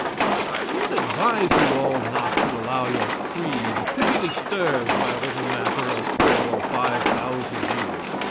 But I would advise you all not to allow your creed to be disturbed by a little matter of four or five thousand years.